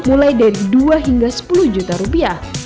mulai dari dua hingga sepuluh juta rupiah